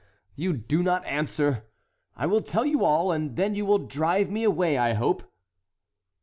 you do not answer. I will tell you all, and then you will drive me away, I hope."